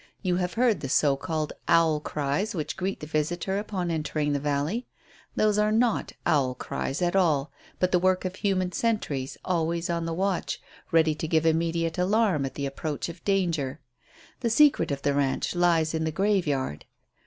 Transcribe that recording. You have heard the so called owl cries which greet the visitor upon entering the valley. Those are not owl cries at all, but the work of human sentries always on the watch, ready to give immediate alarm at the approach of danger. The secret of the ranch lies in the graveyard."